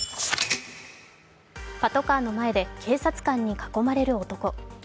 パトカーの前で警察官に囲まれる男。